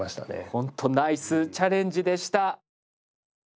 ほんとナイスチャレンジでした。